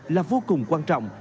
là vô cùng quan trọng